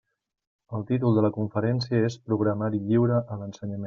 El títol de la conferència és «Programari Lliure a l'Ensenyament».